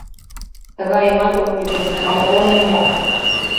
— Тыгайымат от йӱ гын, самогоным мо?